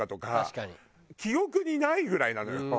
記憶にないぐらいなのよ。